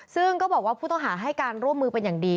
ซึ่งก็บอกว่าผู้ต้องหาให้การร่วมมือเป็นอย่างดี